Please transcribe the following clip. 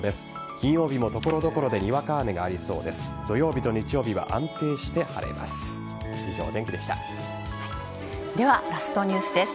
金曜日も所々でにわか雨がありそうです。